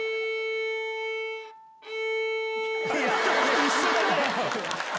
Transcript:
一緒だよ